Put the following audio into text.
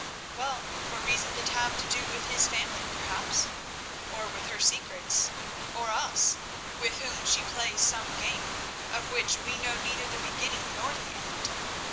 Well, for reasons that have to do with his family perhaps, or with her secrets, or us, with whom she plays some game of which we know neither the beginning nor the end.